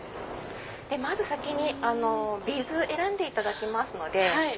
まず先にビーズ選んでいただきますので。